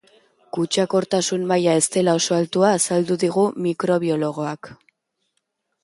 Kutsakortasun maila ez dela oso altua azaldu digu mikrobiologoak.